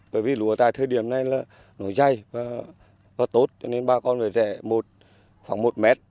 bởi vì lúa tại thời điểm này nó dày và tốt cho nên bà con phải rẻ khoảng một mét